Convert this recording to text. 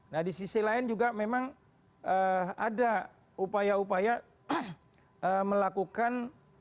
nah di sisi lain juga memang ada upaya upaya melakukan